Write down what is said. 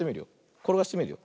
ころがしてみるよ。